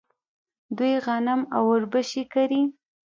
دوی غنم او وربشې کري.